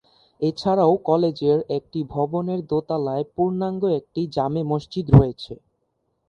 এছাড়া কলেজের একটি ভবনের দোতলায় পূর্ণাঙ্গ একটি জামে মসজিদ রয়েছে।